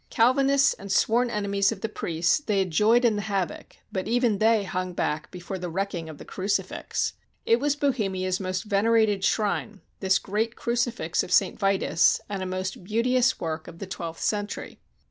Calvinists and sworn enemies of the priests, they had joyed in the havoc, but even they hung back before the wrecking of the crucifix. It was Bohemia's most venerated shrine, this great crucifix of St. Vitus, and a most beauteous work of the twelfth century.